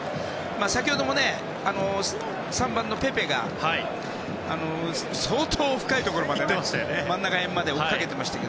先ほど３番のペペが相当深いところ、真ん中辺りまで追いかけて行っていましたから。